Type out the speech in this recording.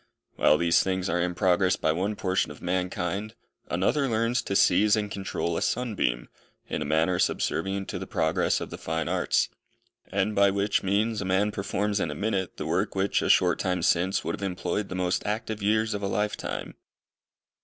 While these things are in progress by one portion of mankind, another learns to seize and control a sunbeam, in a manner subservient to the progress of the fine arts: and by which means a man performs in a minute, the work which a short time since would have employed the most active years of a lifetime.